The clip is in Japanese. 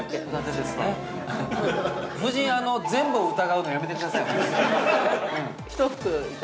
◆夫人、全部を疑うのはやめてください。